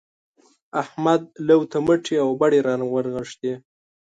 احمد لو ته مټې او بډې راونغښتې.